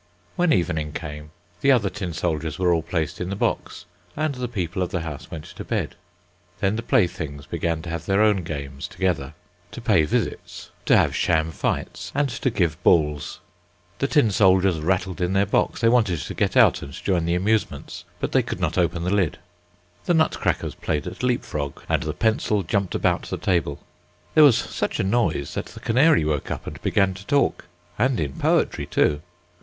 When evening came, the other tin soldiers were all placed in the box, and the people of the house went to bed. Then the playthings began to have their own games together, to pay visits, to have sham fights, and to give balls. The tin soldiers rattled in their box; they wanted to get out and join the amusements, but they could not open the lid. The nut crackers played at leap frog, and the pencil jumped about the table. There was such a noise that the canary woke up and began to talk, and in poetry too.